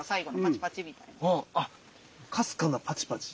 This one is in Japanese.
あっかすかなパチパチ。